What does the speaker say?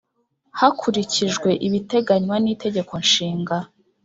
hakurikijwe ibiteganywa nItegeko nshinga